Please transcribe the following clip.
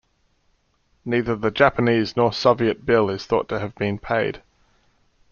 Neither the Japanese nor Soviet bill is thought to have been paid.